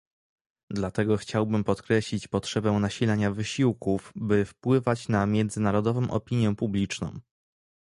Dlatego chciałabym podkreślić potrzebę nasilenia wysiłków, by wpływać na międzynarodową opinię publiczną